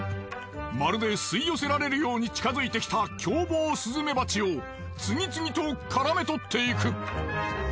まるで吸い寄せられるように近づいてきた凶暴スズメバチを次々と絡めとっていく。